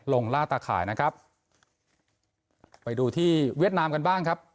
ล่าตาข่ายนะครับไปดูที่เวียดนามกันบ้างครับ